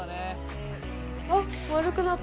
あっ丸くなった。